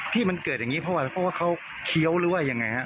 ที่มันเกิดอย่างนี้เพราะว่าเขาเคี้ยวหรือว่ายังไงฮะ